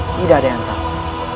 tidak ada yang tahu